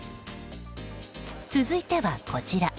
続いては、こちら。